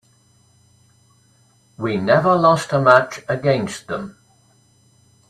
We never lost a match against them.